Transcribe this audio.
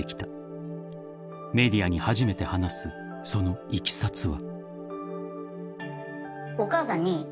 ［メディアに初めて話すそのいきさつは］